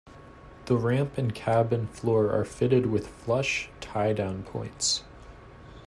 The ramp and cabin floor are fitted with flush tie-down points.